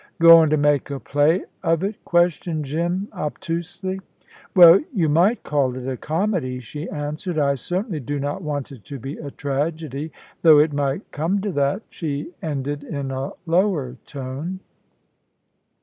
"Goin' to make a play of it?" questioned Jim, obtusely. "Well, you might call it a comedy," she answered. "I certainly do not want it to be a tragedy though it might come to that," she ended in a lower tone.